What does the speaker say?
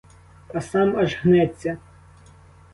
А сам аж гнеться.